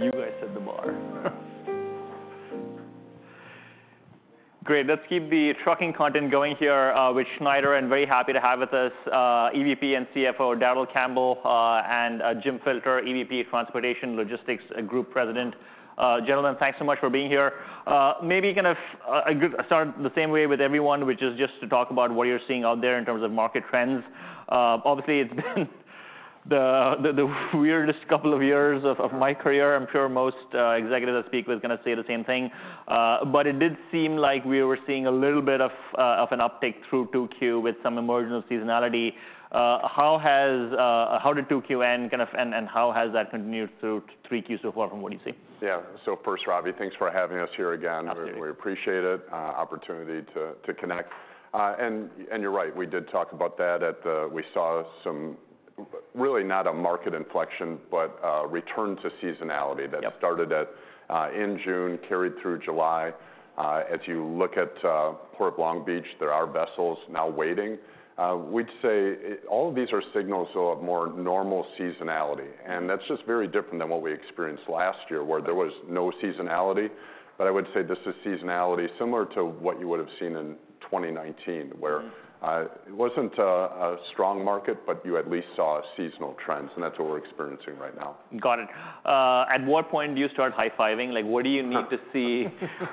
You guys set the bar. Great, let's keep the trucking content going here with Schneider. I'm very happy to have with us EVP and CFO, Darrell Campbell, and Jim Filter, EVP, Transportation Logistics Group President. Gentlemen, thanks so much for being here. Maybe kind of a good start the same way with everyone, which is just to talk about what you're seeing out there in terms of market trends. Obviously, it's been the weirdest couple of years of my career. I'm sure most executives that speak was gonna say the same thing. But it did seem like we were seeing a little bit of an uptick through two Q with some emergence of seasonality. How has... How did 2Q end kind of, and how has that continued through to 3Q so far from what you see? Yeah, so first, Robbie, thanks for having us here again. Absolutely. We appreciate it, opportunity to connect. Yeah. And you're right, we did talk about that at the-- we saw some, really not a market inflection, but return to seasonality- Yep ...that started in June, carried through July. As you look at Port of Long Beach, there are vessels now waiting. We'd say all of these are signals of more normal seasonality, and that's just very different than what we experienced last year, where there was no seasonality, but I would say this is seasonality similar to what you would have seen in 2019, where- ... it wasn't a strong market, but you at least saw seasonal trends, and that's what we're experiencing right now. Got it. At what point do you start high-fiving? Like, what do you need to see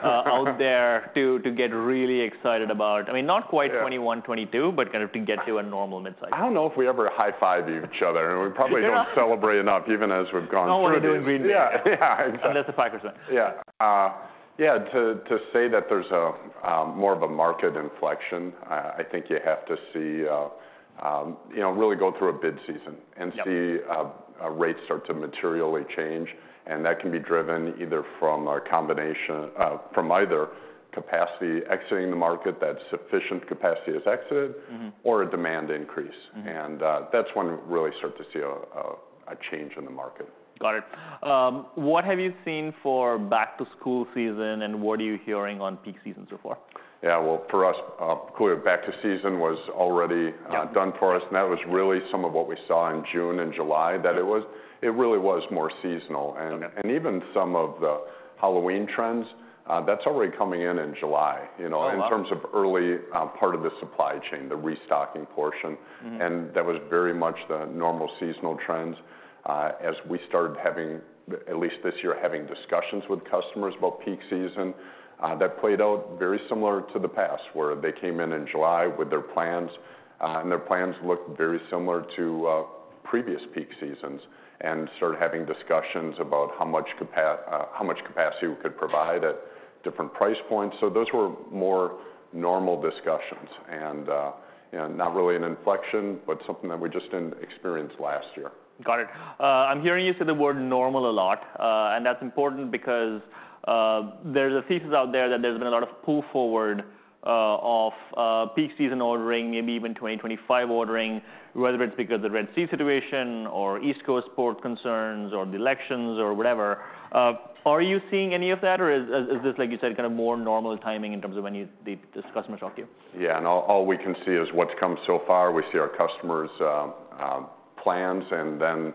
out there to get really excited about? I mean, not quite- Yeah... 2021, 2022, but kind of to get to a normal mid-cycle. I don't know if we ever high-five each other, and we probably- You don't? Don't celebrate enough, even as we've gone through this. No one would do it. Yeah. Yeah, Unless the 5%. Yeah, yeah, to say that there's a more of a market inflection, I think you have to see, you know, really go through a bid season- Yep... and see a rate start to materially change, and that can be driven either from a combination, from either capacity exiting the market, that sufficient capacity has exited- Mm-hmm... or a demand increase. That's when we really start to see a change in the market. Got it. What have you seen for back-to-school season, and what are you hearing on peak season so far? Yeah, well, for us, clearly, bid season was already- Yeah... done for us, and that was really some of what we saw in June and July. It really was more seasonal. Okay. Even some of the Halloween trends, that's already coming in in July, you know- Oh, wow... in terms of early, part of the supply chain, the restocking portion. That was very much the normal seasonal trends. As we started having, at least this year, having discussions with customers about peak season, that played out very similar to the past, where they came in in July with their plans, and their plans looked very similar to previous peak seasons, and started having discussions about how much capacity we could provide at different price points. Those were more normal discussions and, you know, not really an inflection, but something that we just didn't experience last year. Got it. I'm hearing you say the word normal a lot, and that's important because there's a thesis out there that there's been a lot of pull forward of peak season ordering, maybe even twenty twenty-five ordering, whether it's because of the Red Sea situation or East Coast port concerns or the elections or whatever. Are you seeing any of that, or is this, like you said, kind of more normal timing in terms of when the customers talk to you? Yeah, and all we can see is what's come so far. We see our customers' plans, and then,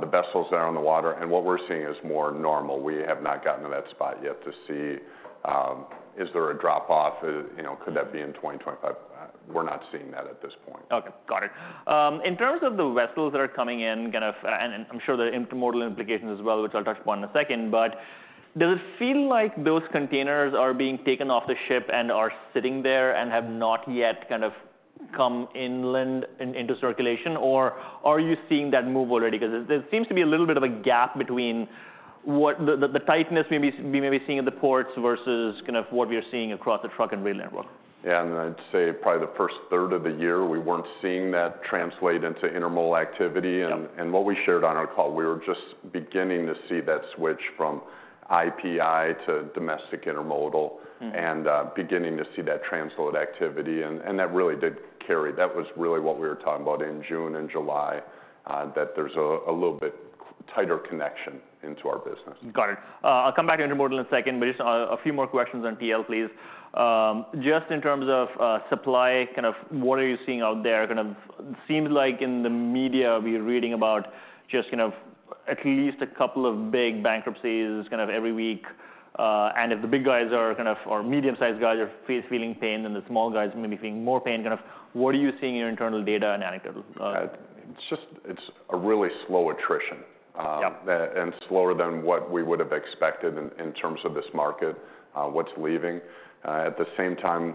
the vessels that are on the water, and what we're seeing is more normal. We have not gotten to that spot yet to see, is there a drop-off, you know, could that be in twenty twenty-five? We're not seeing that at this point. Okay, got it. In terms of the vessels that are coming in, kind of, and I'm sure the intermodal implications as well, which I'll touch upon in a second, but does it feel like those containers are being taken off the ship and are sitting there and have not yet kind of come inland into circulation, or are you seeing that move already? Because there seems to be a little bit of a gap between what the tightness we may be seeing in the ports versus kind of what we are seeing across the truck and rail network. Yeah, and I'd say probably the first third of the year, we weren't seeing that translate into intermodal activity. Yep. What we shared on our call, we were just beginning to see that switch from IPI to domestic intermodal. ... and beginning to see that translate activity, and that really did carry. That was really what we were talking about in June and July, that there's a little bit tighter connection into our business. Got it. I'll come back to intermodal in a second, but just a few more questions on TL, please. Just in terms of supply, kind of what are you seeing out there? Kind of seems like in the media, we're reading about just kind of at least a couple of big bankruptcies kind of every week. And if the big guys are kind of, or medium-sized guys are feeling pain, then the small guys may be feeling more pain. Kind of, what are you seeing in your internal data and anecdotes? It's just, it's a really slow attrition. Yep... that, and slower than what we would have expected in terms of this market, what's leaving. At the same time,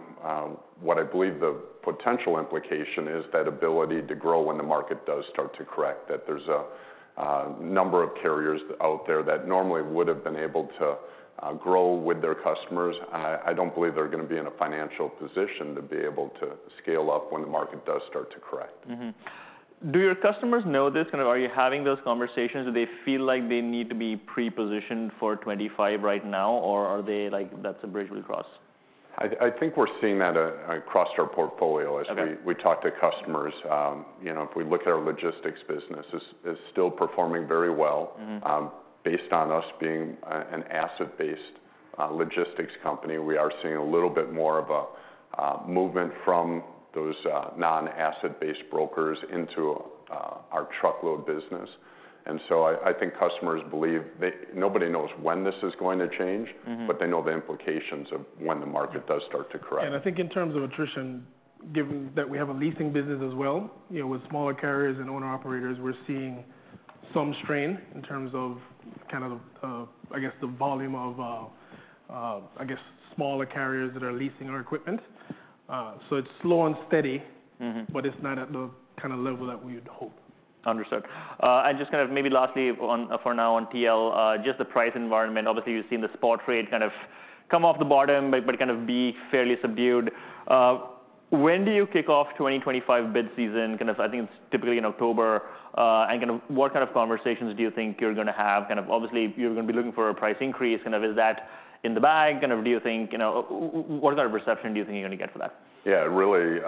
what I believe the potential implication is that ability to grow when the market does start to correct, that there's a number of carriers out there that normally would have been able to grow with their customers, and I don't believe they're gonna be in a financial position to be able to scale up when the market does start to correct. Do your customers know this? Kind of, are you having those conversations? Do they feel like they need to be pre-positioned for twenty-five right now, or are they like, "That's a bridge we cross? I think we're seeing that across our portfolio- Okay... as we talk to customers. You know, if we look at our logistics business, it is still performing very well-... based on us being an asset-based logistics company, we are seeing a little bit more of a movement from those non-asset-based brokers into our truckload business. And so I think customers believe they- nobody knows when this is going to change- but they know the implications of when the market does start to correct. I think in terms of attrition, given that we have a leasing business as well, you know, with smaller carriers and owner-operators, we're seeing some strain in terms of kind of, I guess, the volume of, I guess, smaller carriers that are leasing our equipment. So it's slow and steady- Mm-hmm. but it's not at the kind of level that we'd hope. Understood. And just kind of maybe lastly, on, for now, on TL, just the price environment. Obviously, you've seen the spot rate kind of come off the bottom, but kind of be fairly subdued. When do you kick off twenty twenty-five bid season? Kind of, I think it's typically in October. And kind of, what kind of conversations do you think you're gonna have? Kind of obviously, you're gonna be looking for a price increase. Kind of, is that in the bag? Kind of, do you think, you know, what kind of reception do you think you're gonna get for that? Yeah, really,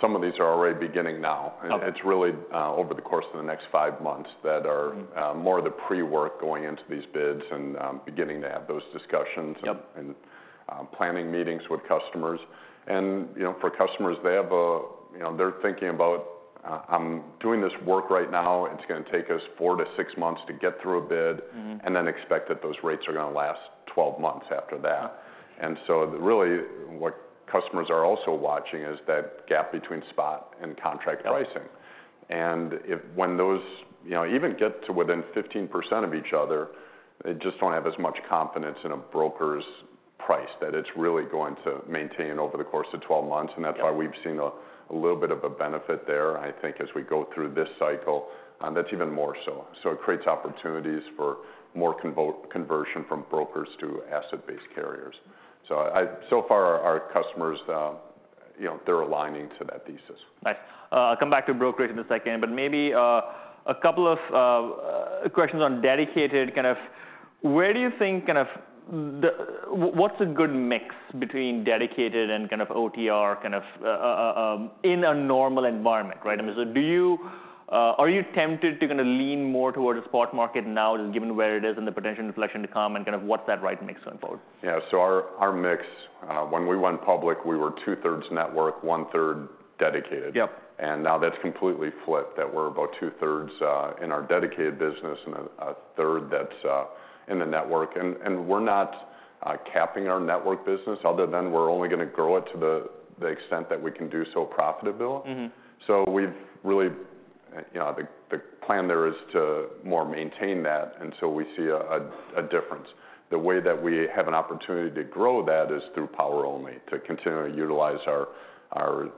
some of these are already beginning now. Okay. It's really, over the course of the next five months that are- Mm-hmm... more of the pre-work going into these bids and, beginning to have those discussions and- Yep... and planning meetings with customers, and you know, for customers, they have a, you know, they're thinking about, "I'm doing this work right now. It's gonna take us four to six months to get through a bid- and then expect that those rates are gonna last twelve months after that. And so really, what customers are also watching is that gap between spot and contract pricing. Yep. If, when those, you know, even get to within 15% of each other, they just don't have as much confidence in a broker's price, that it's really going to maintain over the course of 12 months. Yep. And that's why we've seen a little bit of a benefit there, I think, as we go through this cycle. And that's even more so. So it creates opportunities for more conversion from brokers to asset-based carriers. So I. So far, our customers, you know, they're aligning to that thesis. Right. I'll come back to brokerage in a second, but maybe, a couple of questions on dedicated. Kind of, where do you think, kind of, what's a good mix between dedicated and kind of OTR, kind of, in a normal environment, right? I mean, so do you, are you tempted to kind of lean more towards a spot market now, just given where it is and the potential inflation to come, and kind of what's that right mix going forward? Yeah, so our mix, when we went public, we were two-thirds network, one-third dedicated. Yep. And now that's completely flipped, that we're about two-thirds in our dedicated business and a third that's in the network. And we're not capping our network business other than we're only gonna grow it to the extent that we can do so profitably. So we've really, you know, the plan there is to more maintain that until we see a difference. The way that we have an opportunity to grow that is through power-only, to continue to utilize our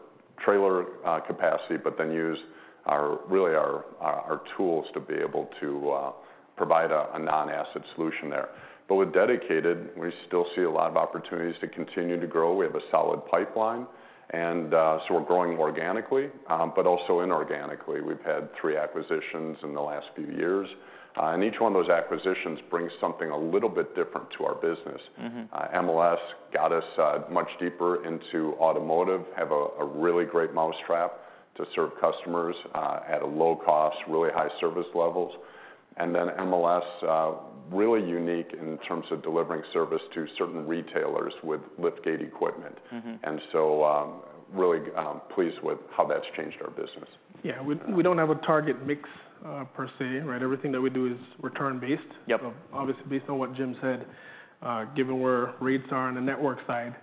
trailer capacity, but then use our, really our tools to be able to provide a non-asset solution there. But with dedicated, we still see a lot of opportunities to continue to grow. We have a solid pipeline, and so we're growing organically, but also inorganically. We've had three acquisitions in the last few years, and each one of those acquisitions brings something a little bit different to our business. MLS got us much deeper into automotive, have a really great mousetrap to serve customers at a low cost, really high service levels. And then MLS really unique in terms of delivering service to certain retailers with lift gate equipment. And so, really pleased with how that's changed our business. Yeah, we don't have a target mix, per se, right? Everything that we do is return based. Yep. So obviously, based on what Jim said, given where rates are on the network side,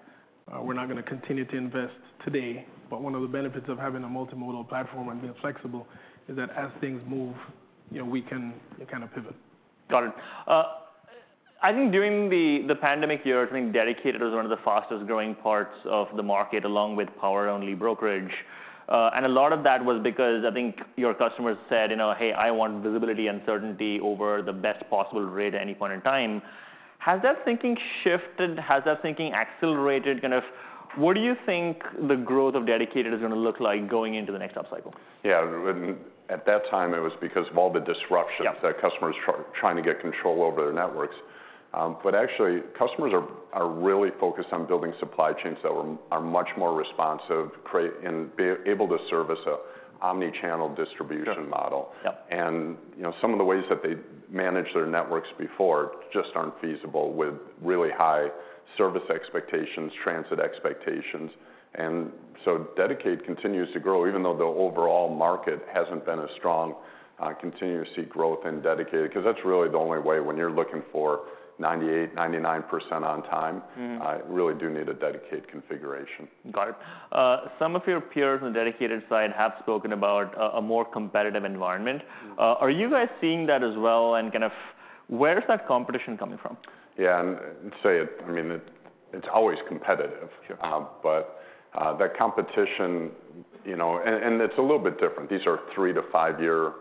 we're not gonna continue to invest today. But one of the benefits of having a multimodal platform and being flexible is that, as things move, you know, we can kind of pivot. Got it. I think during the pandemic year, I think dedicated was one of the fastest growing parts of the market, along with power-only brokerage. And a lot of that was because I think your customers said, you know, "Hey, I want visibility and certainty over the best possible rate at any point in time." Has that thinking shifted? Has that thinking accelerated? Kind of, what do you think the growth of dedicated is gonna look like going into the next upcycle? Yeah, and at that time, it was because of all the disruptions- Yep... that customers trying to get control over their networks. But actually, customers are really focused on building supply chains that are much more responsive, create and be able to service a omni-channel distribution model. Yep. Yep. You know, some of the ways that they managed their networks before just aren't feasible with really high service expectations, transit expectations. So dedicated continues to grow, even though the overall market hasn't been as strong. Continue to see growth in dedicated, 'cause that's really the only way when you're looking for 98%-99% on time-... really do need a dedicated configuration. Got it. Some of your peers on the dedicated side have spoken about a more competitive environment. Are you guys seeing that as well? And kind of, where is that competition coming from? Yeah, and say it, I mean, it's always competitive. Yep. But the competition, you know. And it's a little bit different. These are three- to five-year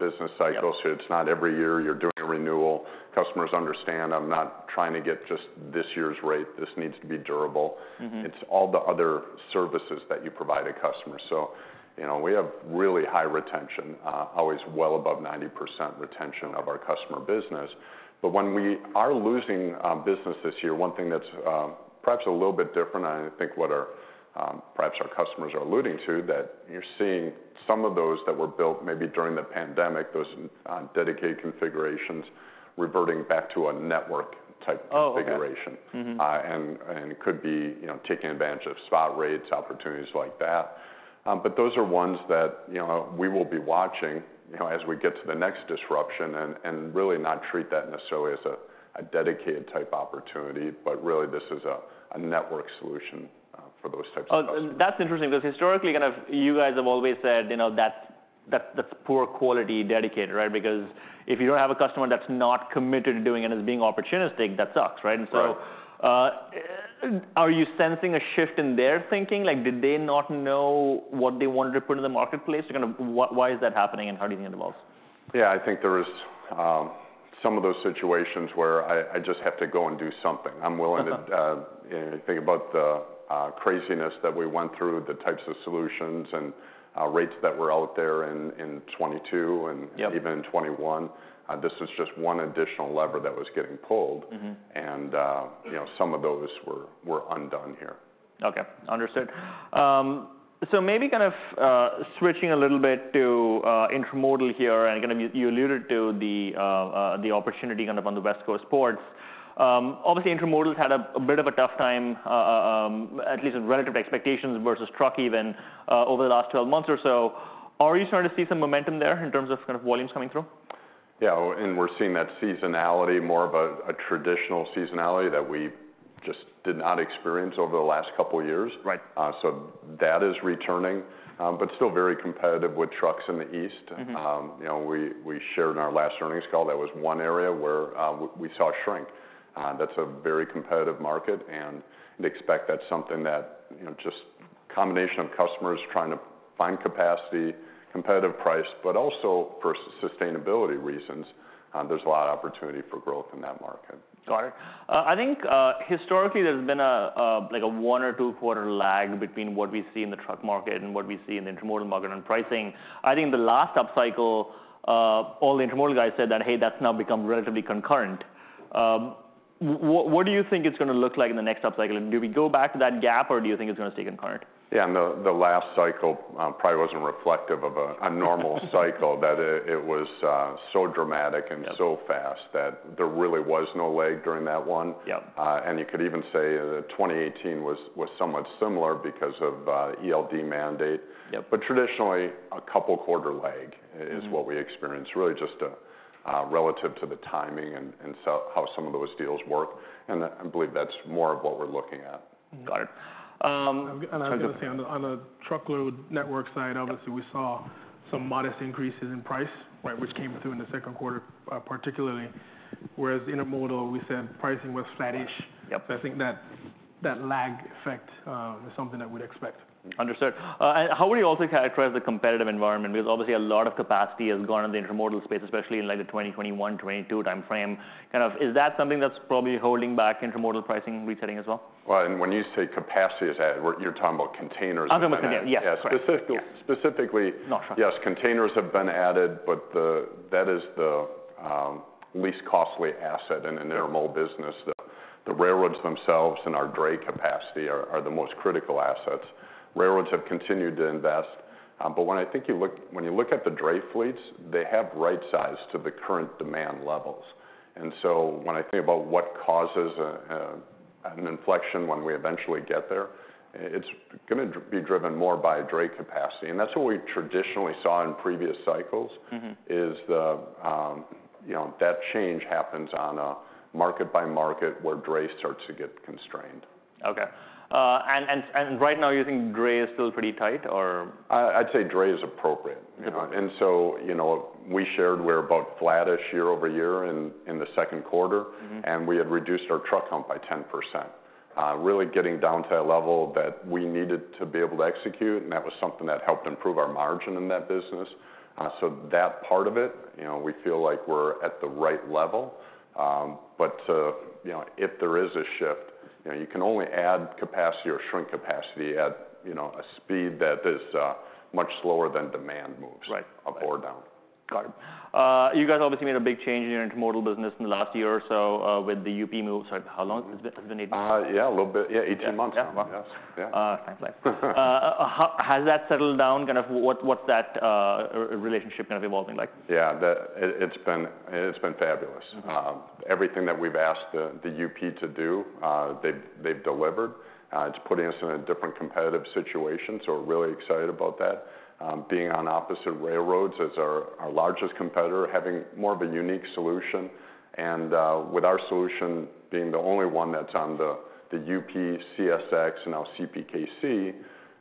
business cycles. Yep. So it's not every year you're doing a renewal. Customers understand I'm not trying to get just this year's rate. This needs to be durable. It's all the other services that you provide a customer, so you know, we have really high retention, always well above 90% retention of our customer business, but when we are losing business this year, one thing that's perhaps a little bit different, and I think what our customers are alluding to, that you're seeing some of those that were built maybe during the pandemic, those dedicated configurations reverting back to a network type configuration. Oh, okay. Mm-hmm. It could be, you know, taking advantage of spot rates, opportunities like that. But those are ones that, you know, we will be watching, you know, as we get to the next disruption, and really not treat that necessarily as a dedicated type opportunity, but really this is a network solution for those types of customers. Oh, and that's interesting, because historically, kind of, you guys have always said, you know, that's poor quality dedicated, right? Because if you don't have a customer that's not committed to doing it as being opportunistic, that sucks, right? Right. And so, are you sensing a shift in their thinking? Like, did they not know what they wanted to put in the marketplace? Kind of, why, why is that happening, and how do you think it evolves? Yeah, I think there is some of those situations where I just have to go and do something. I'm willing to, you know, think about the craziness that we went through, the types of solutions and rates that were out there in 2022- Yep... and even in 2021. This is just one additional lever that was getting pulled. You know, some of those were undone here. Okay, understood. So maybe kind of switching a little bit to intermodal here, and kind of you alluded to the opportunity kind of on the West Coast ports. Obviously, intermodal's had a bit of a tough time at least in relative expectations versus truck even over the last 12 months or so. Are you starting to see some momentum there in terms of kind of volumes coming through? Yeah, and we're seeing that seasonality, more of a traditional seasonality that we just did not experience over the last couple of years. Right. So that is returning, but still very competitive with trucks in the East. You know, we shared in our last earnings call, that was one area where we saw a shrink. That's a very competitive market, and we expect that's something that, you know, just combination of customers trying to find capacity, competitive price, but also for sustainability reasons, there's a lot of opportunity for growth in that market. Got it. I think historically, there's been like a one- or two-quarter lag between what we see in the truck market and what we see in the intermodal market on pricing. I think the last upcycle, all the intermodal guys said that, "Hey, that's now become relatively concurrent." What do you think it's going to look like in the next upcycle? And do we go back to that gap, or do you think it's going to stay concurrent? Yeah, no, the last cycle probably wasn't reflective of a normal cycle. That it was so dramatic- Yep... and so fast that there really was no lag during that one. Yep. You could even say that 2018 was somewhat similar because of ELD mandate. Yep. But traditionally, a couple quarter lag.... is what we experience, really just relative to the timing and so how some of those deals work, and I believe that's more of what we're looking at. Got it. I was going to say, on the truckload network side, obviously- Yep... we saw some modest increases in price- Right... which came through in the second quarter, particularly, whereas intermodal, we said pricing was flattish. Yep. I think that lag effect is something that we'd expect. Understood, and how would you also characterize the competitive environment? Because obviously a lot of capacity has gone in the intermodal space, especially in, like, the 2021, 2022 time frame. Kind of, is that something that's probably holding back intermodal pricing resetting as well? Well, and when you say capacity is added, you're talking about containers. I'm talking about containers, yes. Yeah. Specifically- Sure... specifically- Gotcha... yes, containers have been added, but that is the least costly asset in an intermodal business. The railroads themselves and our dray capacity are the most critical assets. Railroads have continued to invest, but when you look at the dray fleets, they have right-sized to the current demand levels, and so when I think about what causes an inflection when we eventually get there, it's gonna be driven more by dray capacity, and that's what we traditionally saw in previous cycles-... is the, you know, that change happens on a market by market, where dray starts to get constrained. Okay. And right now, you think dray is still pretty tight, or? I'd say dray is appropriate. Okay. You know, and so, you know, we shared we're about flattish year over year in the second quarter. And we had reduced our truck count by 10%. Really getting down to a level that we needed to be able to execute, and that was something that helped improve our margin in that business. So that part of it, you know, we feel like we're at the right level. But, you know, if there is a shift, you know, you can only add capacity or shrink capacity at, you know, a speed that is much slower than demand moves- Right... up or down. Got it. You guys obviously made a big change in your intermodal business in the last year or so, with the UP move. So how long has it been, it's been eight months? Yeah, a little bit. Yeah, 18 months. Yeah. Yes. Yeah. Sounds like. How has that settled down? Kind of, what, what's that relationship kind of evolving like? Yeah, it's been fabulous. Everything that we've asked the UP to do, they've delivered. It's putting us in a different competitive situation, so we're really excited about that. Being on opposite railroads as our largest competitor, having more of a unique solution, and with our solution being the only one that's on the UP, CSX, and now CPKC,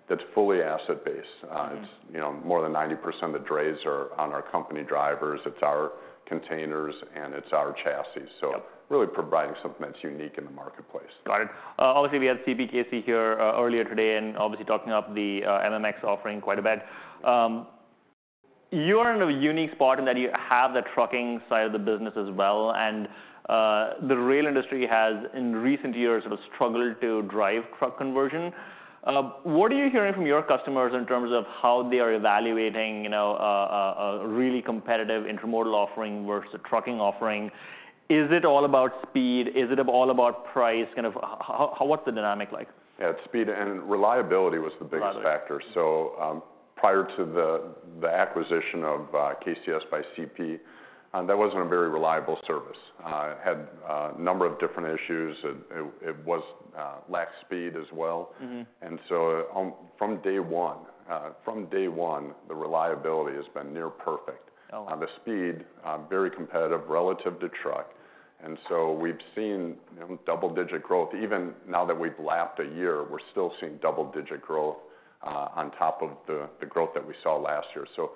that's fully asset-based. It's, you know, more than 90% of the drays are on our company drivers, it's our containers, and it's our chassis. Yep. So really providing something that's unique in the marketplace. Got it. Obviously, we had CPKC here earlier today, and obviously talking up the MMX offering quite a bit. You're in a unique spot in that you have the trucking side of the business as well, and the rail industry has, in recent years, sort of struggled to drive truck conversion. What are you hearing from your customers in terms of how they are evaluating, you know, a really competitive intermodal offering versus a trucking offering? Is it all about speed? Is it all about price? Kind of how what's the dynamic like? Yeah, it's speed and reliability was the biggest factor. Got it. Prior to the acquisition of KCS by CP, that wasn't a very reliable service. It had a number of different issues, and it lacked speed as well. And so, from day one, the reliability has been near perfect. Oh. The speed, very competitive relative to truck, and so we've seen, you know, double-digit growth. Even now that we've lapped a year, we're still seeing double-digit growth, on top of the growth that we saw last year. So,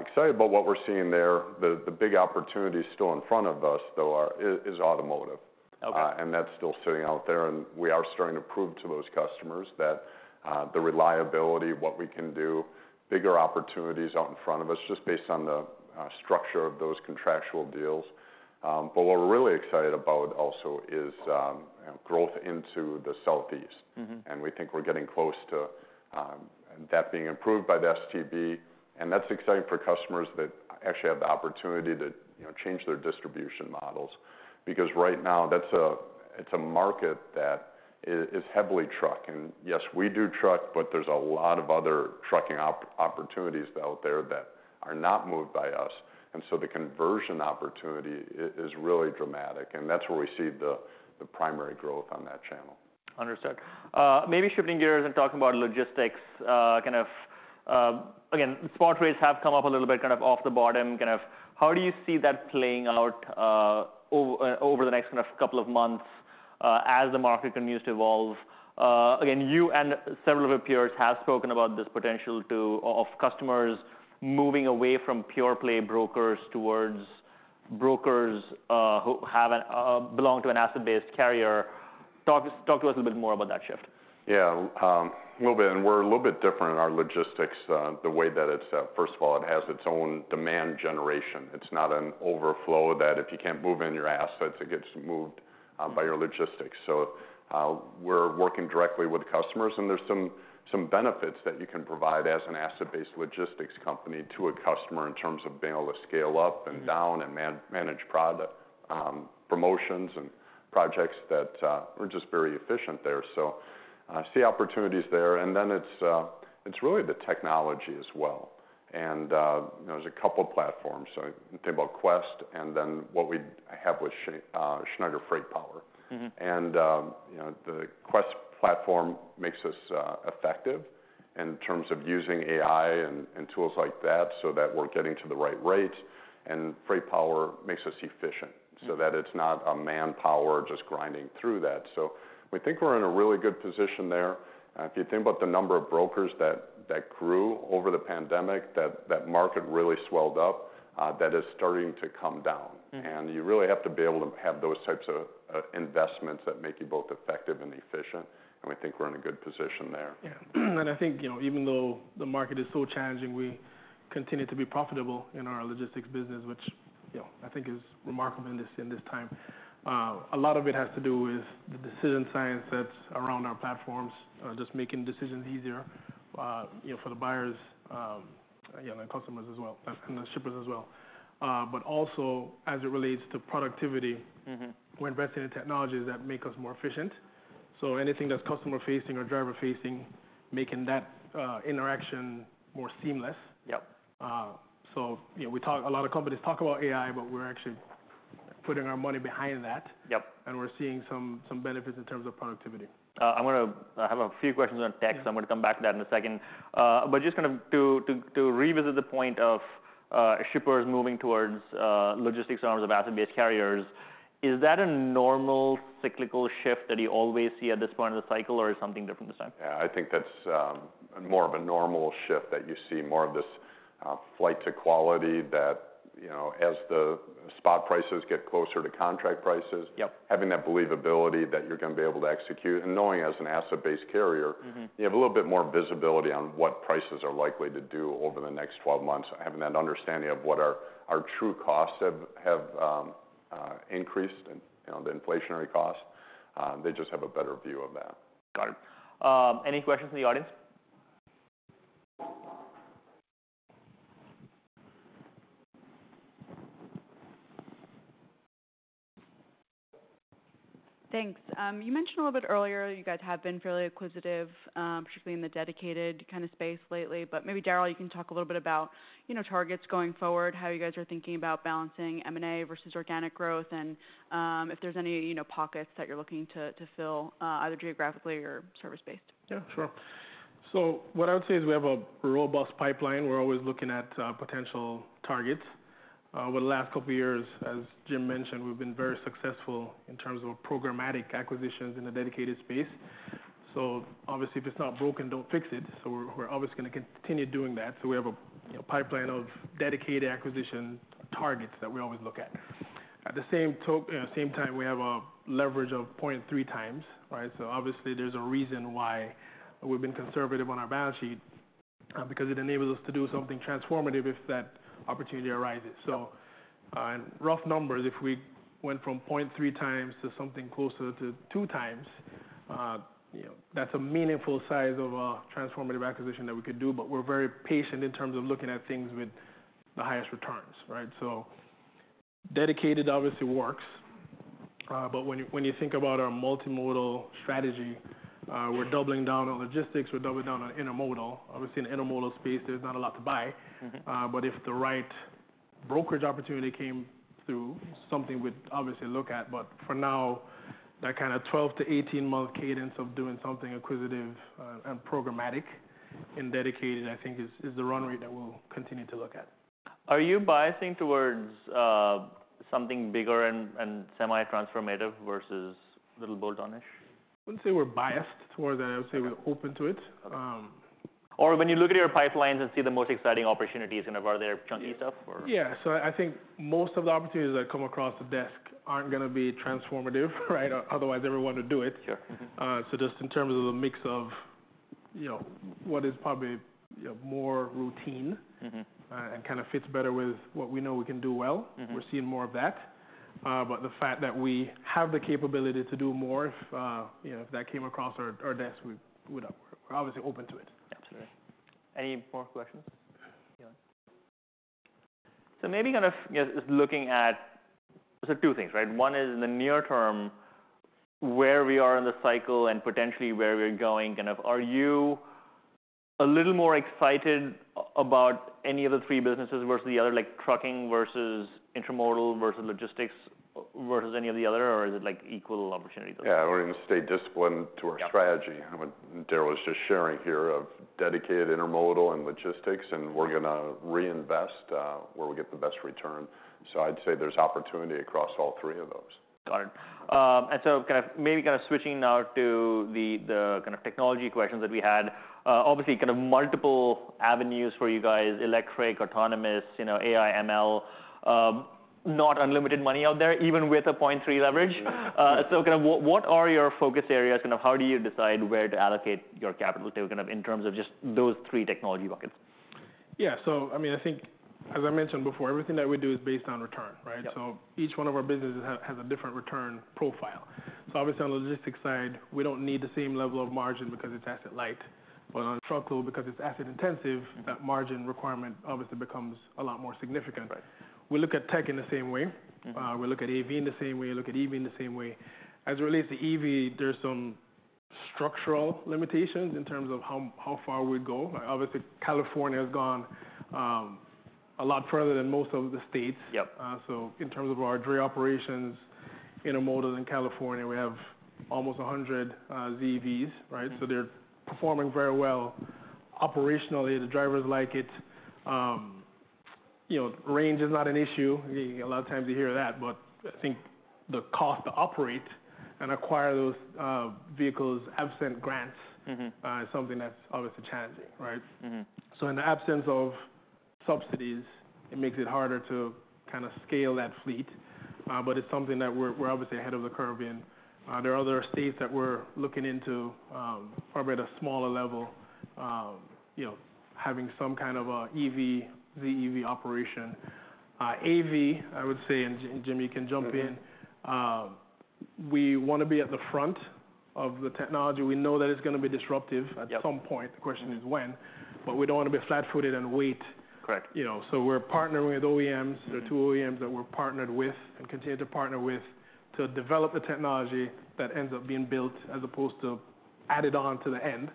excited about what we're seeing there. The big opportunity still in front of us, though, is automotive. Okay. and that's still sitting out there, and we are starting to prove to those customers that the reliability of what we can do, bigger opportunities out in front of us, just based on the structure of those contractual deals. But what we're really excited about also is growth into the Southeast. And we think we're getting close to that being approved by the STB, and that's exciting for customers that actually have the opportunity to, you know, change their distribution models. Because right now, that's a market that is heavily truck. And yes, we do truck, but there's a lot of other trucking opportunities out there that are not moved by us, and so the conversion opportunity is really dramatic, and that's where we see the primary growth on that channel. Understood. Maybe shifting gears and talking about logistics, again, spot rates have come up a little bit, kind of off the bottom. How do you see that playing out over the next kind of couple of months as the market continues to evolve? Again, you and several of your peers have spoken about this potential of customers moving away from pure play brokers towards brokers who have and belong to an asset-based carrier. Talk to us a little bit more about that shift. Yeah, a little bit, and we're a little bit different in our logistics, the way that it's, first of all, it has its own demand generation. It's not an overflow that if you can't move in your assets, it gets moved by your logistics. So, we're working directly with customers, and there's some benefits that you can provide as an asset-based logistics company to a customer in terms of being able to scale up and down, and manage product promotions and projects that are just very efficient there. So, see opportunities there. And then it's really the technology as well. And, you know, there's a couple platforms, so you think about Quest and then what we have with Schneider FreightPower. You know, the Quest platform makes us effective in terms of using AI and tools like that, so that we're getting to the right rates, and FreightPower makes us efficient- ... so that it's not a manpower just grinding through that. So we think we're in a really good position there. If you think about the number of brokers that grew over the pandemic, that market really swelled up, that is starting to come down. And you really have to be able to have those types of, investments that make you both effective and efficient, and we think we're in a good position there. Yeah, and I think, you know, even though the market is so challenging, we continue to be profitable in our logistics business, which, you know, I think is remarkable in this time. A lot of it has to do with the decision science that's around our platforms, just making decisions easier, you know, for the buyers, yeah, and the customers as well, and the shippers as well. But also, as it relates to productivity-... we're investing in technologies that make us more efficient. So anything that's customer-facing or driver-facing, making that interaction more seamless. Yep. So, you know, we talk. A lot of companies talk about AI, but we're actually putting our money behind that. Yep. We're seeing some benefits in terms of productivity. I'm gonna. I have a few questions on tech, so I'm gonna come back to that in a second, but just kind of to revisit the point of shippers moving towards logistics in terms of asset-based carriers. Is that a normal cyclical shift that you always see at this point of the cycle, or is something different this time? Yeah, I think that's more of a normal shift, that you see more of this flight to quality that, you know, as the spot prices get closer to contract prices- Yep... having that believability that you're gonna be able to execute. And knowing as an asset-based carrier-... you have a little bit more visibility on what prices are likely to do over the next twelve months, and having that understanding of what our true costs have increased and, you know, the inflationary costs, they just have a better view of that. Got it. Any questions from the audience? Thanks. You mentioned a little bit earlier, you guys have been fairly acquisitive, particularly in the dedicated kind of space lately, but maybe, Darrell, you can talk a little bit about, you know, targets going forward, how you guys are thinking about balancing M&A versus organic growth, and, if there's any, you know, pockets that you're looking to fill, either geographically or service-based. Yeah, sure. So what I would say is we have a robust pipeline. We're always looking at potential targets. Over the last couple of years, as Jim mentioned, we've been very successful in terms of programmatic acquisitions in the dedicated space. So obviously, if it's not broken, don't fix it. So we're always gonna continue doing that, so we have a, you know, pipeline of dedicated acquisition targets that we always look at. At the same time, we have a leverage of point three times, right? So obviously, there's a reason why we've been conservative on our balance sheet, because it enables us to do something transformative if that opportunity arises. So, in rough numbers, if we went from point three times to something closer to two times, you know, that's a meaningful size of a transformative acquisition that we could do, but we're very patient in terms of looking at things with the highest returns, right? So dedicated obviously works, but when you think about our multimodal strategy, we're doubling down on logistics, we're doubling down on intermodal. Obviously, in the intermodal space, there's not a lot to buy. But if the right brokerage opportunity came through, something we'd obviously look at. But for now, that kind of twelve to eighteen-month cadence of doing something acquisitive, and programmatic and dedicated, I think is the run rate that we'll continue to look at. Are you biasing towards something bigger and semi-transformative versus little bolt-on-ish? I wouldn't say we're biased towards that. I would say we're open to it. Or when you look at your pipelines and see the most exciting opportunities, kind of, are there chunky stuff or? Yeah, so I think most of the opportunities that come across the desk aren't gonna be transformative, right? Otherwise, everyone would do it. Sure. So just in terms of the mix of, you know, what is probably, you know, more routine-... and kind of fits better with what we know we can do well-... we're seeing more of that, but the fact that we have the capability to do more if, you know, if that came across our desk, we'd. We're obviously open to it. Absolutely. Any more questions? Yeah. So maybe kind of, yes, just looking at... So two things, right? One is in the near term, where we are in the cycle and potentially where we're going, kind of, are you a little more excited about any of the three businesses versus the other, like trucking versus intermodal versus logistics, versus any of the other, or is it like equal opportunity? Yeah, we're gonna stay disciplined to our strategy- Yeah... Darrell was just sharing here, of dedicated intermodal and logistics, and we're gonna reinvest, where we get the best return. So I'd say there's opportunity across all three of those. Got it. And so kind of, maybe kind of switching now to the kind of technology questions that we had. Obviously, kind of multiple avenues for you guys: electric, autonomous, you know, AI, ML. Not unlimited money out there, even with a point three leverage. Yeah. So kind of what are your focus areas, and how do you decide where to allocate your capital to kind of in terms of just those three technology buckets? Yeah. So I mean, I think as I mentioned before, everything that we do is based on return, right? Yep. So each one of our businesses has a different return profile. So obviously, on the logistics side, we don't need the same level of margin because it's asset-light. But on the truck load, because it's asset-intensive-... that margin requirement obviously becomes a lot more significant. Right. We look at tech in the same way. We look at AV in the same way, we look at EV in the same way. As it relates to EV, there's some structural limitations in terms of how far we go. Obviously, California has gone a lot further than most of the states. Yep. So in terms of our dray operations, intermodal in California, we have almost 100 ZEVs, right? So they're performing very well. Operationally, the drivers like it. You know, range is not an issue. A lot of times you hear that, but I think the cost to operate and acquire those vehicles, absent grants-... is something that's obviously challenging, right? So in the absence of subsidies, it makes it harder to kind of scale that fleet, but it's something that we're obviously ahead of the curve in. There are other states that we're looking into, probably at a smaller level, you know, having some kind of a EV, ZEV operation. AV, I would say, and Jim can jump in.... we want to be at the front of the technology. We know that it's gonna be disruptive- Yep... at some point. The question is when. But we don't want to be flat-footed and wait. Correct. You know, so we're partnering with OEMs. There are two OEMs that we're partnered with and continue to partner with, to develop a technology that ends up being built as opposed to added on to the end.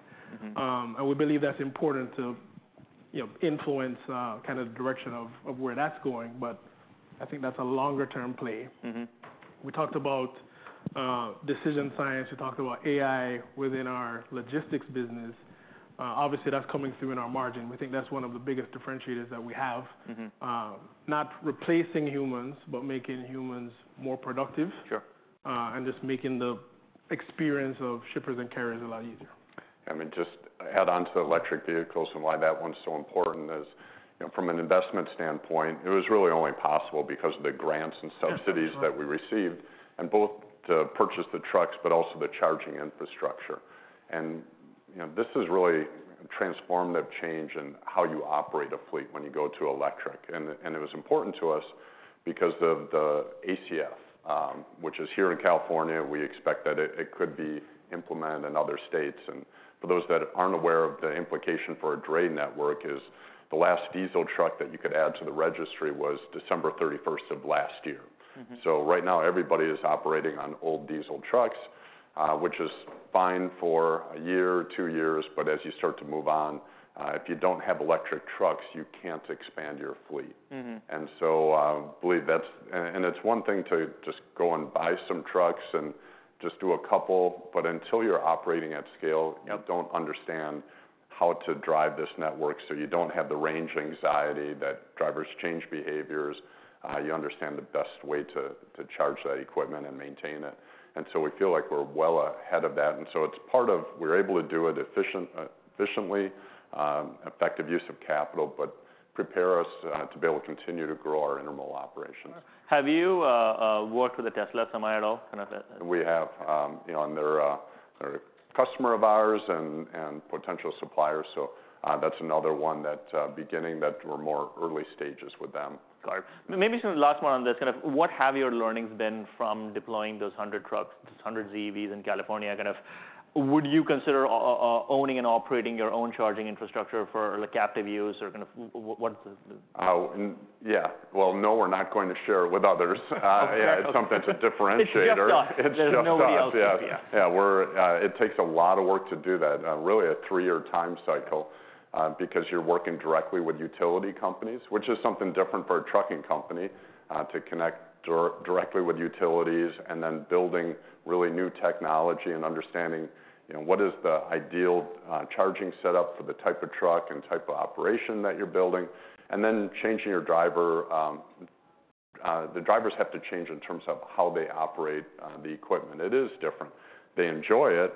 And we believe that's important to, you know, influence kind of direction of where that's going. But I think that's a longer term play. We talked about decision science, we talked about AI within our logistics business. Obviously, that's coming through in our margin. We think that's one of the biggest differentiators that we have. Not replacing humans, but making humans more productive. Sure. And just making the experience of shippers and carriers a lot easier. I mean, just add on to the electric vehicles and why that one's so important is, you know, from an investment standpoint, it was really only possible because of the grants and subsidies- Yeah. that we received, and both to purchase the trucks, but also the charging infrastructure. And, you know, this is really transformative change in how you operate a fleet when you go to electric. And, and it was important to us because of the ACF, which is here in California. We expect that it could be implemented in other states. And for those that aren't aware of the implication for a dray network is, the last diesel truck that you could add to the registry was December thirty-first of last year. So right now, everybody is operating on old diesel trucks, which is fine for a year or two years, but as you start to move on, if you don't have electric trucks, you can't expand your fleet. And so it's one thing to just go and buy some trucks and just do a couple, but until you're operating at scale, you don't understand how to drive this network, so you don't have the range anxiety, that drivers change behaviors, you understand the best way to charge that equipment and maintain it. And so we feel like we're well ahead of that, and so it's part of we're able to do it efficiently, effective use of capital, but prepare us to be able to continue to grow our intermodal operations. Have you worked with the Tesla Semi at all? Kind of... We have, you know, and they're a customer of ours and potential suppliers, so that's another one that we're in early stages with them. Got it. Maybe just the last one on this, kind of, what have your learnings been from deploying those hundred trucks, those hundred ZEVs in California? Kind of, would you consider owning and operating your own charging infrastructure for the captive use, or kind of what is the- Oh, yeah. Well, no, we're not going to share it with others. Okay. It's something to differentiator. It's just us- It's just us.... there's nobody else. Yeah. Yeah. Yeah, we're. It takes a lot of work to do that, really a three-year time cycle, because you're working directly with utility companies, which is something different for a trucking company to connect directly with utilities, and then building really new technology and understanding, you know, what is the ideal charging setup for the type of truck and type of operation that you're building. And then changing your driver, the drivers have to change in terms of how they operate the equipment. It is different. They enjoy it,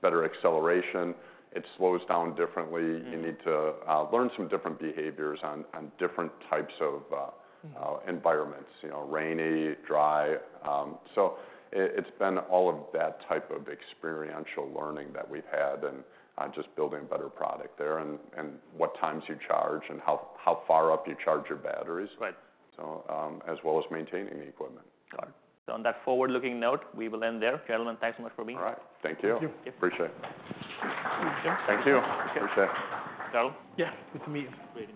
better acceleration, it slows down differently. You need to learn some different behaviors on different types of environments, you know, rainy, dry. So it's been all of that type of experiential learning that we've had, and just building a better product there, and what times you charge, and how far up you charge your batteries- Right... so, as well as maintaining the equipment. Got it. So on that forward-looking note, we will end there. Gentlemen, thanks so much for being here. All right, thank you. Thank you. Appreciate it. Thank you. Appreciate it. Daryl? Yeah, good to meet you. Great.